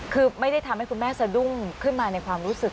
คือไม่ได้ทำให้คุณแม่สะดุ้งขึ้นมาในความรู้สึก